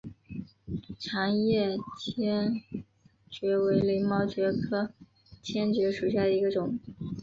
长叶黔蕨为鳞毛蕨科黔蕨属下的一个种。